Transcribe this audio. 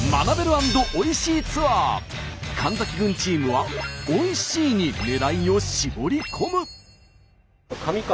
神崎郡チームは「おいしい」に狙いを絞り込む。